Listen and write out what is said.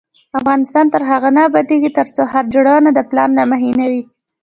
افغانستان تر هغو نه ابادیږي، ترڅو ښار جوړونه د پلان له مخې نه وي.